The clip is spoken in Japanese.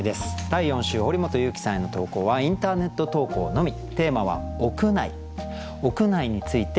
第４週堀本裕樹さんへの投稿はインターネット投稿のみ。